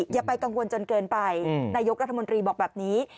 อย่าไปกังวลจนเกินไปนายกรัฐมนตรีบอกแบบนี้